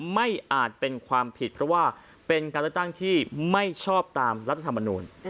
อาจเป็นความผิดเพราะว่าเป็นการเลือกตั้งที่ไม่ชอบตามรัฐธรรมนูล